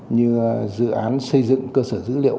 như dự án xây dựng cơ sở dữ liệu